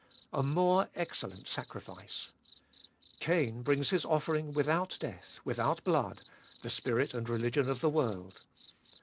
4. A more excellent sacrifice. Cain brings his offering without death, without blood— the spirit and religion of the world.